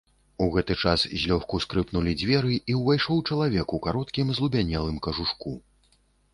У гэты час злёгку скрыпнулі дзверы і ўвайшоў чалавек у кароткім злубянелым кажушку.